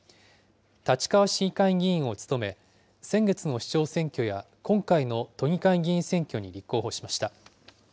立川市議会議員を務め、先月の市長選挙や今回の都議会議員選挙に立候補しました。